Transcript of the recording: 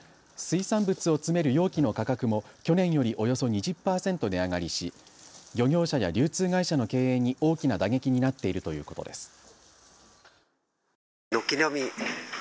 水産物を詰める容器の価格も去年よりおよそ２０％値上がりし漁業者や流通会社の経営に大きな打撃になっているということです。